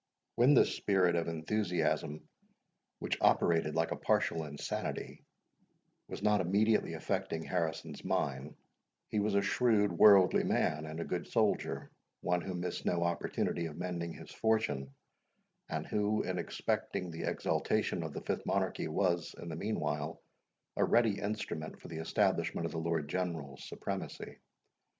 When this spirit of enthusiasm, which operated like a partial insanity, was not immediately affecting Harrison's mind, he was a shrewd worldly man, and a good soldier; one who missed no opportunity of mending his fortune, and who, in expecting the exaltation of the Fifth Monarchy, was, in the meanwhile, a ready instrument for the establishment of the Lord General's supremacy.